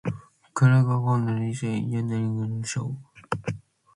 Cre t'er ny hoiggal liorish y ghloyraghey shoh?